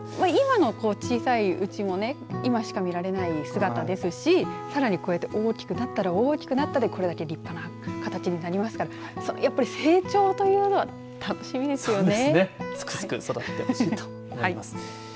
かわいいし今の小さいうちも今しか見られない姿ですしさらにこうやって大きくなったら大きくなったでこれだけ立派な形になりますからやっぱり成長というのは楽しみですよね。